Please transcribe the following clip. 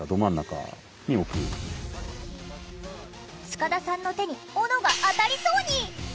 塚田さんの手にオノが当たりそうに！